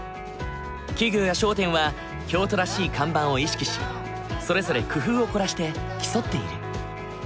企業や商店は京都らしい看板を意識しそれぞれ工夫を凝らして競っている。